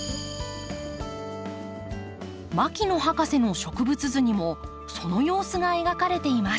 牧野博士の植物図にもその様子が描かれています。